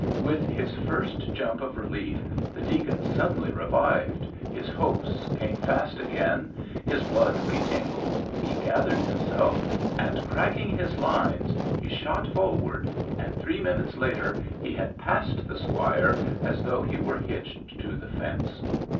With his first jump of relief the deacon suddenly revived, his hopes came fast again, his blood retingled, he gathered himself, and, cracking his lines, he shot forward, and three minutes later he had passed the squire as though he were hitched to the fence.